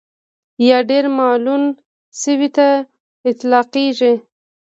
یا ډېر ملعون شي ته اطلاقېږي.